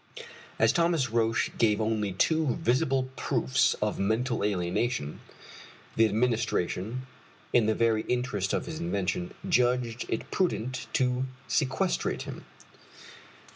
As Thomas Roch gave only too visible proofs of mental alienation, the Administration, in the very interest of his invention, judged it prudent to sequestrate him.